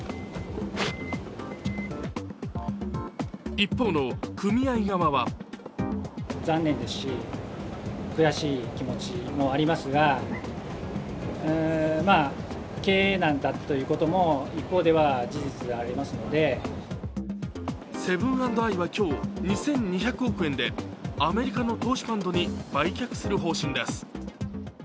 一方の組合側はセブン＆アイは今日２２００億円でアメリカの投資ファンドに売却する方針です。